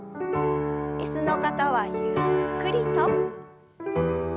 椅子の方はゆっくりと。